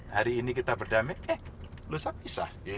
hari ini kita berdamai eh lusa pisah